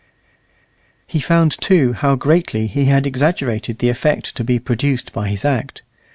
He found, too, how greatly he had exaggerated the effect to be produced by his act.